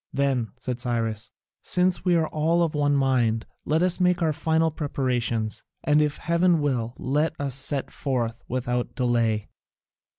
"Then," said Cyrus, "since we are all of one mind, let us make our final preparations, and, if heaven will, let us set forth without delay."